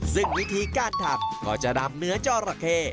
ซึ่งวิธีการทำก็จะนำเนื้อจอระเข้